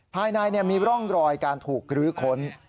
ภายในมีร่องรอยการถูกรื้อค้น